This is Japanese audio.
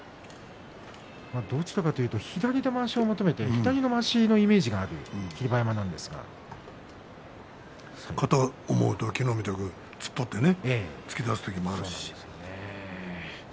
どちらかというと左でまわしを求めて左のまわしのイメージがあるかと思うと昨日みたく突っ張って突き出す時もあるし。